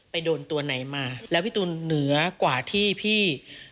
โดนตัวไหนมาแล้วพี่ตูนเหนือกว่าที่พี่